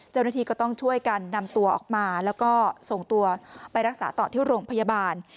เจ้าหน้าที่ก็ต้องช่วยกันนำตัวออกมาแล้วก็ส่งตัวไปรักษาต่อที่โรงพยาบาล